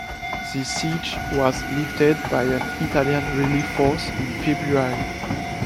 The siege was lifted by an Italian relief force in February.